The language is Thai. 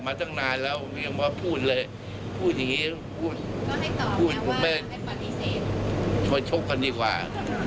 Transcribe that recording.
มาชกกันดีกว่า